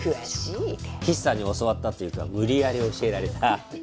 菱さんに教わったっていうか無理矢理教えられた。